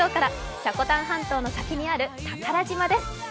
積丹半島の先にある宝島です。